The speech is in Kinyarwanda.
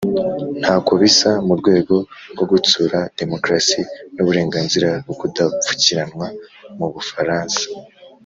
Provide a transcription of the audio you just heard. ntako bisa mu rwego rwo gutsura demokarasi n'uburenganzira bwo kudapfukiranwa mu bufaransa.